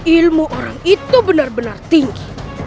ilmu orang itu benar benar tinggi